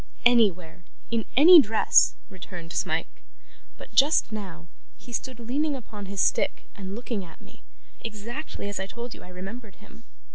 'Anywhere in any dress,' returned Smike; 'but, just now, he stood leaning upon his stick and looking at me, exactly as I told you I remembered him.